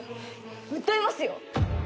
訴えますよ。